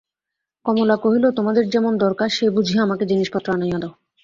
কমলা কহিল, তোমার যেমন দরকার সেই বুঝিয়া আমাকে জিনিসপত্র আনাইয়া দাও।